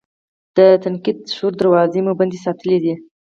د تنقیدي شعور دراوزې مو بندې ساتلي دي.